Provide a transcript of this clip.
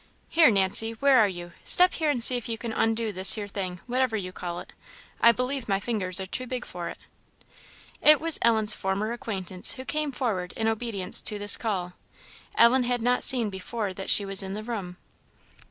"Here, Nancy! where are you? step here and see if you can undo this here thing, whatever you call it; I believe my fingers are too big for it." It was Ellen's former acquaintance who came forward in obedience to this call. Ellen had not seen before that she was in the room.